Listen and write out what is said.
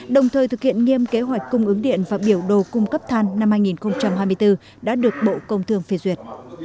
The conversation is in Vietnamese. đồng thời thực hiện nghiêm kế hoạch cung ứng điện và biểu đồ cung cấp than năm hai nghìn hai mươi bốn đã được bộ công thương phê duyệt